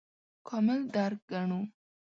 کامل درک ګڼو.